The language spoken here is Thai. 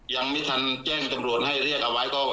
ยังไม่ทันแจ้งตำรวจให้เรียกเอาไว้